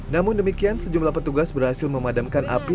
namun demikian sejumlah petugas berhasil memadamkan api